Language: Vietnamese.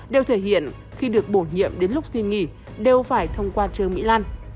đều thể hiện khi được bổ nhiệm đến lúc xin nghỉ đều phải thông qua trương mỹ lan